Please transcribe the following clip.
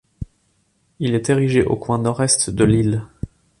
Il est érigé au coin nord-est de l'île.